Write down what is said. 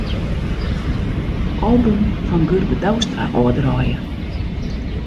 Album fan Gurbe Douwstra ôfdraaie.